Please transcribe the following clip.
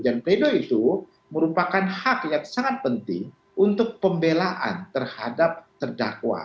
dan pledoi itu merupakan hak yang sangat penting untuk pembelaan terhadap terdakwa